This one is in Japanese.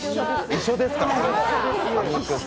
一緒です。